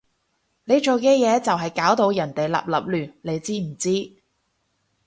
你做嘅嘢就係搞到人哋立立亂，你知唔知？